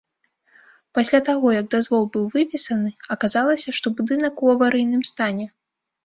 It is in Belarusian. Пасля таго, як дазвол быў выпісаны, аказалася, што будынак ў аварыйным стане.